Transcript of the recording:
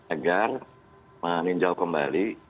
agar meninjau kembali